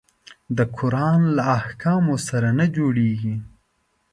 د قرآن له احکامو سره نه جوړیږي.